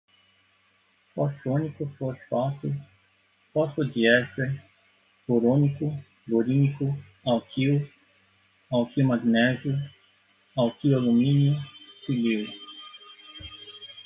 fosfônico, fosfato, fosfodiéster, borônico, borínico, alquil, alquilmagnésio, alquilalumínio, silil